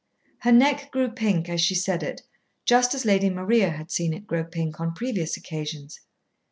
Her neck grew pink as she said it, just as Lady Maria had seen it grow pink on previous occasions.